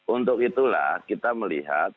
untuk itulah kita melihat